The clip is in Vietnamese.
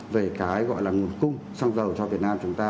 về cái gọi là nguồn cung xăng dầu cho việt nam chúng ta